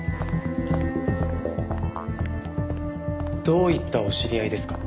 どういったお知り合いですか？